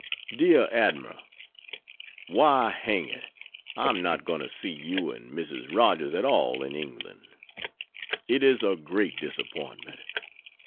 DEAR ADMIRAL, Why hang it, I am not going to see you and Mrs. Rogers at all in England! It is a great disappointment.